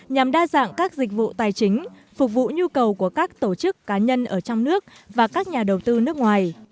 nhằm đa dạng các dịch vụ tài chính phục vụ nhu cầu của các tổ chức cá nhân ở trong nước và các nhà đầu tư nước ngoài